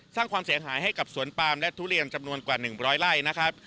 สร้างความเสียหายให้กับสวนปามและทุเรียนจำนวนกว่า๑๐๐ไร่นะครับ